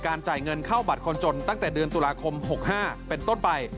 จ่ายเงินเข้าบัตรคนจนตั้งแต่เดือนตุลาคม๖๕เป็นต้นไป